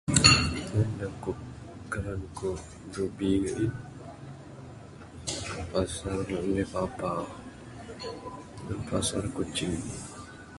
Nehen da ku, karan ku birubi gain pasar Lepapa ngan pasar Kuching.